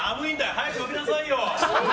早く呼びなさいよ。